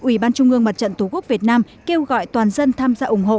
ủy ban trung ương mặt trận tổ quốc việt nam kêu gọi toàn dân tham gia ủng hộ